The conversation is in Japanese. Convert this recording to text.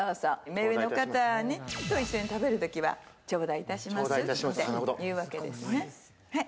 目上の方と一緒に食べる時は「ちょうだいいたします」って言うわけですねはい。